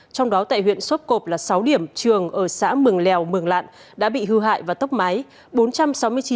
trong đó tại huyện sốp cộp là sáu điểm trường ở xã mường lèo mường lạn đã bị hư hại và tốc mái